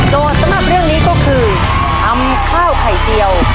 สำหรับเรื่องนี้ก็คือทำข้าวไข่เจียว